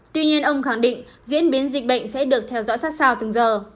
tuy nhiên ông khẳng định diễn biến dịch bệnh sẽ được theo dõi sát sao từng giờ